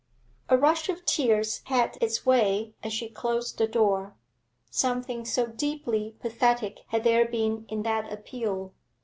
A rush of tears had its way as she closed the door, something so deeply pathetic had there been in that appeal.